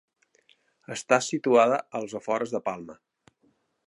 Està situada als afores de Palma.